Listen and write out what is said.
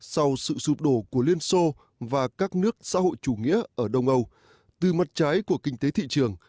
sau sự sụp đổ của liên xô và các nước xã hội chủ nghĩa ở đông âu từ mặt trái của kinh tế thị trường